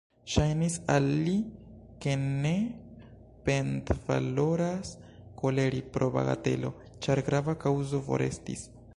Ŝajnis al li, ke ne penvaloras koleri pro bagatelo, ĉar grava kaŭzo forestis.